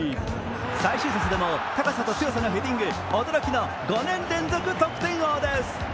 最終節でも高さと強さのヘディング、驚きの５年連続得点王です。